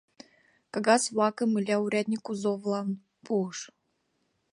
Кагаз-влакым Иля урядник Узковлан пуыш.